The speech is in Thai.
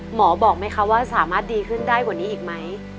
หมอบอกไหมคะว่าสามารถดีขึ้นได้กว่านี้อีกไหม